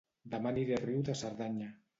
Dema aniré a Riu de Cerdanya